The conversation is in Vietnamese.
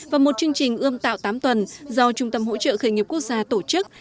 và một chương trình ươm tạo tám tuần do trung tâm hỗ trợ khởi nghiệp quốc gia tổ chức